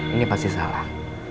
ini pasti salah